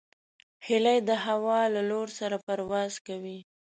هیلۍ د هوا له لور سره پرواز کوي